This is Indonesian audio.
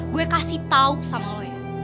gue kasih tau sama lo ya